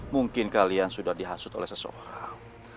mungkin kalian sudah dihasut oleh seseorang